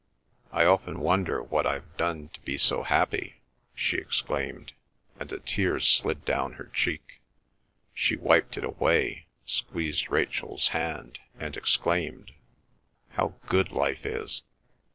I often wonder what I've done to be so happy!" she exclaimed, and a tear slid down her cheek. She wiped it away, squeezed Rachel's hand, and exclaimed: "How good life is!"